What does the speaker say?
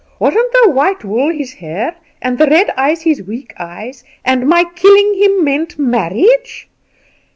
Wasn't the white wool his hair, and the red eyes his weak eyes, and my killing him meant marriage?